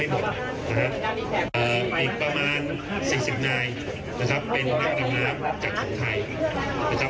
อีกประมาณ๔๙เป็นนักนำนาบจากของไทย